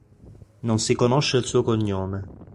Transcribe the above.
Non si conosce il suo cognome.